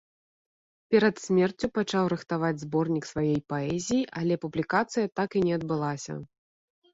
Перад смерцю пачаў рыхтаваць зборнік сваёй паэзіі, але публікацыя так і не адбылася.